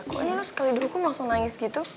kok ini lo sekali dihukum langsung nangis gitu